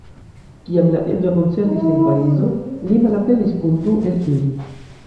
Kiam la edzo koncertis en Parizo, li malaperis kun du el ili.